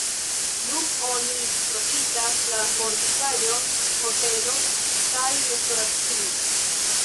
Nun oni profitas la fortikaĵon hotelo kaj restoracio.